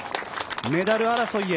メダル争いへ。